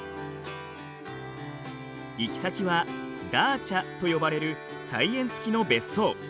行き先はダーチャと呼ばれる菜園つきの別荘。